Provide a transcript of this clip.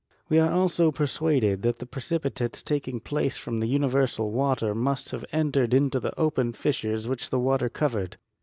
We are also persuaded that the pre cipitates taking place from the universal water must have entered into the open fissures which the water covered.